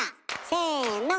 せの！